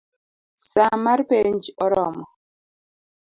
Saa mar penj oromo